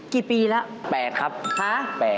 กี่ปีแล้ว๘ครับ